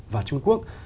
và trung quốc